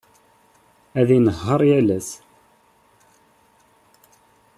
Ad inehheṛ yal ass.